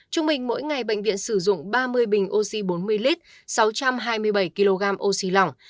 trung bình mỗi ngày bệnh viện sử dụng ba mươi bình oxy bốn mươi lít sáu trăm hai mươi bảy kg oxy lỏng